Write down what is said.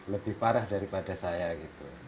lebih parah daripada saya gitu